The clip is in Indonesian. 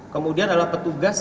kemudian adalah petugas